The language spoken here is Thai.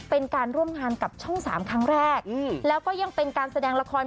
เป็นการร่วมงานกับช่องสามครั้งแรกแล้วก็ยังเป็นการแสดงละคร